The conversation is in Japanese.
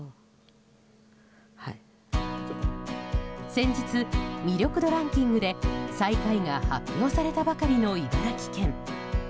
先日、魅力度ランキングで最下位が発表されたばかりの茨城県。